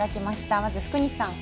まず福西さん。